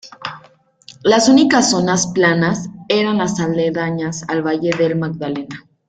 Las únicas zonas planas eran las aledañas al valle del Magdalena.